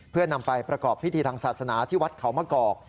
เพื่อนำไปประกอบพิธีทางศาสนาที่วัดเขามะกอก